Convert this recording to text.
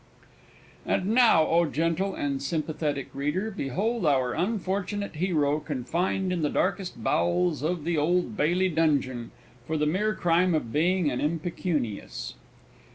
_ And now, O gentle and sympathetic reader, behold our unfortunate hero confined in the darkest bowels of the Old Bailey Dungeon, for the mere crime of being an impecunious!